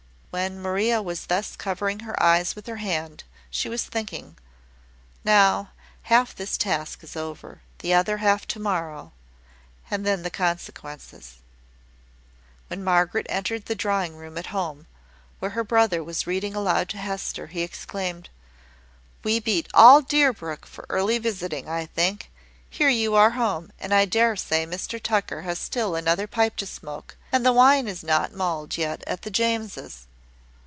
When Maria was thus covering her eyes with her hand, she was thinking "Now, half this task is over. The other half to morrow and then the consequences!" When Margaret entered the drawing room at home, where her brother was reading aloud to Hester, he exclaimed "We beat all Deerbrook for early visiting, I think. Here are you home; and I dare say Mr Tucker has still another pipe to smoke, and the wine is not mulled yet at the Jameses."